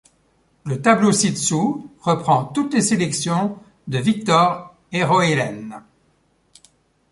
Le tableau ci-dessous reprend toutes les sélections de Victor Erroelen.